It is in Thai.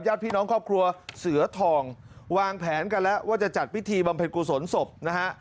พี่น้องครอบครัวเสือทองวางแผนกันแล้วว่าจะจัดพิธีบำเพ็ญกุศลศพนะฮะ